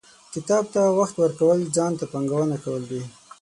• کتاب ته وخت ورکول، ځان ته پانګونه کول دي.